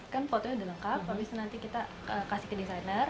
kan fotonya udah lengkap habis itu nanti kita kasih ke desainer